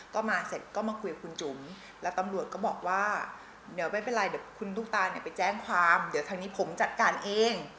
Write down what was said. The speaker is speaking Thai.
ตรวจมาเสร็จก็มาคุยกับคุณจุ๊มและตำรวจก็บอกว่าอย่าเป็นเป็นไรด้วยคุณรู้ตามันไปแจ้งความเดี๋ยวทางนี้ผมจัดการเอง